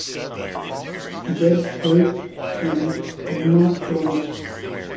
Z. Hill and Irma Thomas.